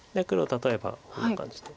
例えばこういう感じで。